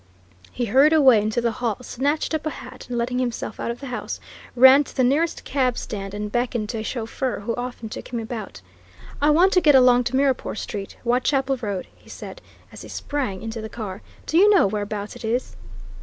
He hurried away into the hall, snatched up a hat, and letting himself out of the house, ran to the nearest cab stand and beckoned to a chauffeur who often took him about. "I want to get along to Mirrapore Street, Whitechapel Road," he said, as he sprang into the car. "Do you know whereabouts it is?"